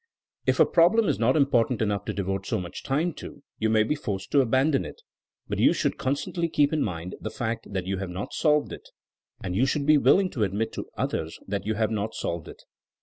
If a problem is not important enough to devote so much time to you may be forced to abandon it; but you should constantly keep in mind the fact that you have not solved it, and you should be will ing to admit to others that you have not solved it.